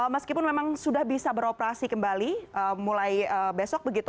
meskipun memang sudah bisa beroperasi kembali mulai besok begitu